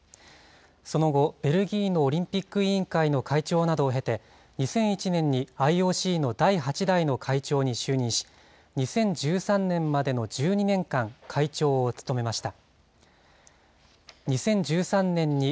その後、ベルギーのオリンピック委員会の会長などを経て、２００１年にＩＯＣの第８代の会長に就任し、２０１３年までの１２年間、会長を務めました。